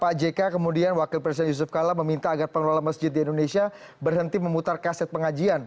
pak jk kemudian wakil presiden yusuf kala meminta agar pengelola masjid di indonesia berhenti memutar kaset pengajian